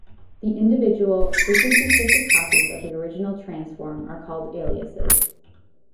The individual, frequency-shifted copies of the original transform are called "aliases".